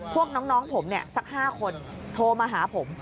พวกน้องผมสัก๕คนโทรมาหาผม